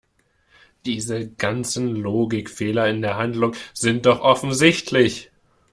Diese ganzen Logikfehler in der Handlung sind doch offensichtlich!